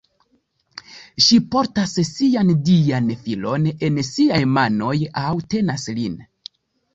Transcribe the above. Ŝi portas sian dian filon en siaj manoj, aŭ tenas lin.